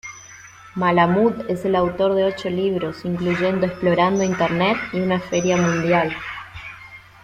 Malamud es el autor de ocho libros, incluyendo Explorando Internet y una feria mundial.